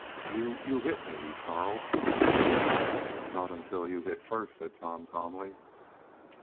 "You you hit me!" he snarled. "Not until you hit first," said Tom calmly.